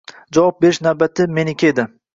Javob berish navbati meniki edi